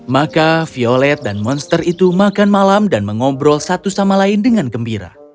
maka violet dan monster itu makan malam dan mengobrol satu sama lain dengan gembira